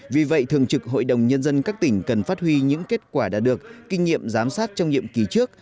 vì vậy thường trực hội đồng nhân dân các tỉnh cần phát huy những kết quả đạt được kinh nghiệm giám sát trong nhiệm kỳ trước